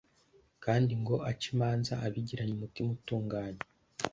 kandi ngo ace imanza abigiranye umutima utunganye